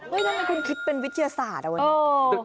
ทำไมคุณคิดเป็นวิทยาศาสตร์อะวันนี้